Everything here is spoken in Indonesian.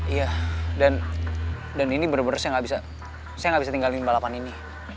iya dan ini bener bener saya gak bisa tinggalin balapan ini